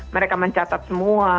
mereka mencatat semua